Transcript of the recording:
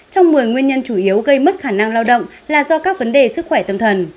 trong một mươi nguyên nhân chủ yếu gây mất khả năng lao động là do các vấn đề sức khỏe tâm thần